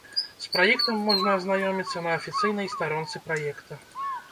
З праектам можна азнаёміцца на афіцыйнай старонцы праекта.